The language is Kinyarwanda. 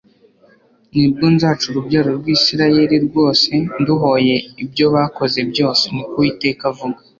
nibwo nzaca urubyaro rw'Isirayeli rwose nduhoye ibyo bakoze byose, ni ko Uwiteka avuga .